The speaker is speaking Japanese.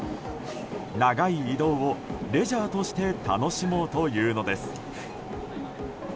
長い移動をレジャーとして楽しもうというのです。